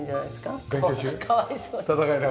かわいそうに。